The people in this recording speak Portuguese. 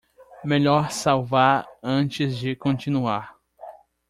Melhor salvar antes de continuar.